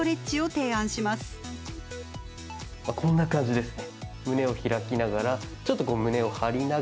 まあこんな感じですね。